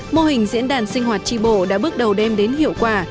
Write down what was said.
mô hình diễn đàn sinh hoạt tri bộ đã bước đầu đem đến hiệu quả